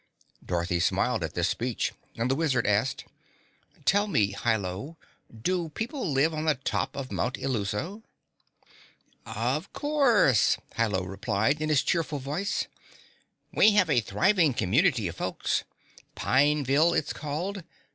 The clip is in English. Dorothy smiled at this speech, and the Wizard asked, "Tell me, Hi Lo, do people live on the top of Mount Illuso?" "Of course," Hi Lo replied in his cheerful voice. "We have a thriving community of folks Pineville it's called.